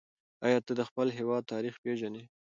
آیا ته د خپل هېواد تاریخ پېژنې؟